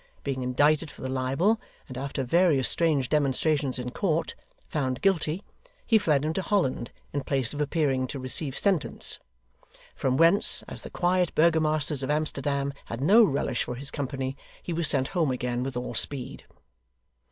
Being indicted for the libel, and (after various strange demonstrations in court) found guilty, he fled into Holland in place of appearing to receive sentence: from whence, as the quiet burgomasters of Amsterdam had no relish for his company, he was sent home again with all speed.